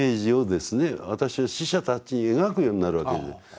私は死者たちに描くようになるわけです。